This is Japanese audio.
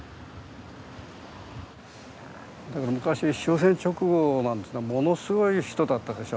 だから昔終戦直後なんていうのはものすごい人だったでしょ